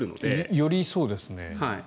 よりそうですね。